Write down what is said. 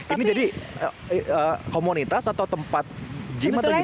ini jadi komunitas atau tempat gym atau gimana